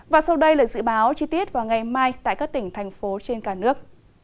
và sau đây là dự báo chi tiết vào ngày mai tại các tỉnh thành phố trên cả nước